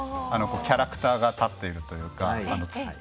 キャラクターが立っているというか。